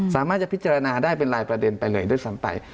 สามารถจะพิจารณาได้เป็นลายประเด็นไปเลยด้วยซ้ำไป